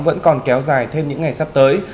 vẫn còn kéo dài thêm những ngày sắp tới